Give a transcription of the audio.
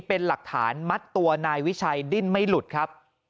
เป็นหลักฐานมัดตัวนายวิชัยดิ้นไม่หลุดครับ